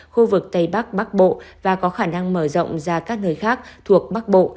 khu vực tây bắc bắc bộ và có khả năng mở rộng ra các nơi khác thuộc bắc bộ